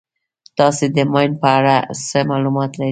تاسې د ماین په اړه څه معلومات لرئ.